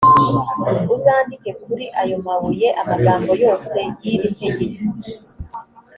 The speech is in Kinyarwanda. uzandike kuri ayo mabuye amagambo yose y’iri tegeko,